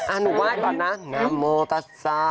อ่ะหนูไหว้ก่อนนะ